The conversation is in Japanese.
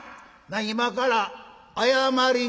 今から謝りに行く」。